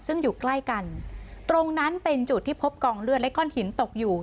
ซึ่งอยู่ใกล้กันตรงนั้นเป็นจุดที่พบกองเลือดและก้อนหินตกอยู่